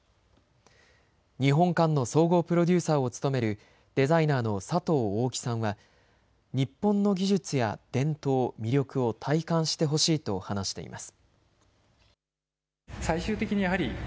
日本館の総合プロデューサーを務めるデザイナーの佐藤オオキさんは日本の技術や伝統、魅力を体感してほしいと話しています。